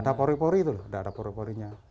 tidak ada pori pori itu lho